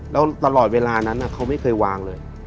แล้วตลอดเวลานั้นเขาไม่เคยวางเลย